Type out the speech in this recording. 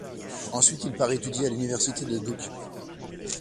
Ensuite il part étudier à l’université de Duke.